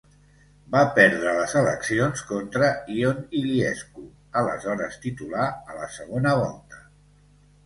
Va perdre les eleccions contra Ion Iliescu, aleshores titular, a la segona volta.